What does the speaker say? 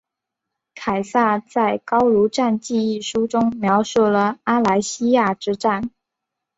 凯撒在高卢战记一书中描述了阿莱西亚之战。